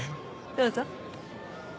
どうぞ。